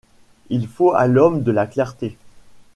Il faut à l’homme de la clarté.